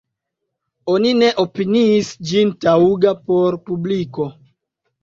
Oni ne opiniis ĝin taŭga por publikigo.